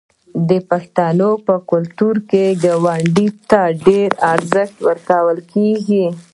د پښتنو په کلتور کې ګاونډي ته ډیر ارزښت ورکول کیږي.